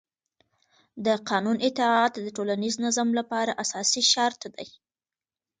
د قانون اطاعت د ټولنیز نظم لپاره اساسي شرط دی